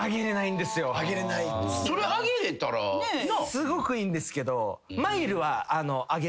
すごくいいんですけど。